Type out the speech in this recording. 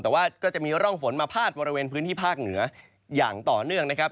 แต่ว่าก็จะมีร่องฝนมาพาดบริเวณพื้นที่ภาคเหนืออย่างต่อเนื่องนะครับ